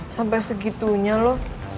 sampai segitunya lo